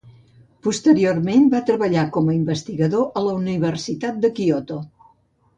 Posteriorment, va treballar com a investigador a la Universitat de Kyoto.